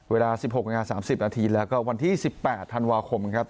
เวลา๑๖นาที๓๐นาทีแล้วก็วันที่๑๘ธันวาคมครับ